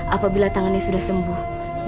apabila tangannya sudah sembuh